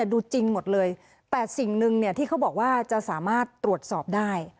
ดูจริงหมดเลยแต่สิ่งหนึ่งที่เขาบอกว่าจะสามารถตรวจสอบได้